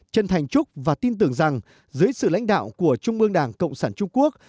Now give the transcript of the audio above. chân thành chúc và tin tưởng rằng dưới sự lãnh đạo của trung ương đảng cộng sản trung quốc